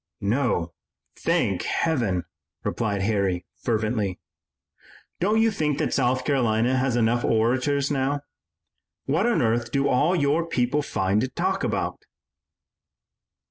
"No, thank Heaven," replied Harry fervently. "Don't you think that South Carolina has enough orators now? What on earth do all your people find to talk about?"